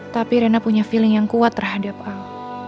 tapi rena punya feeling yang kuat terhadap al